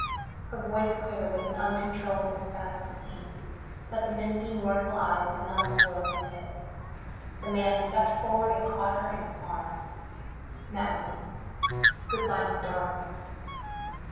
Her voice quivered with an uncontrollable spasm of pain, but the misty, mournful eyes did not swerve from his. The man stepped forward and caught her in his arms. "Magdalen, good bye, my darling.